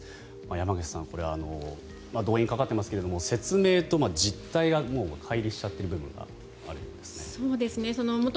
山口さんこれは動員がかかっていますが説明と実態がかい離しちゃってる部分があるんですね。